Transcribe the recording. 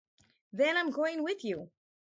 Then I'm going with you.